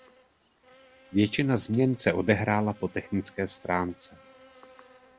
Většina změn se odehrála po technické stránce.